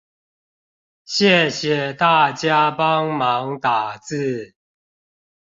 謝謝大家幫忙打字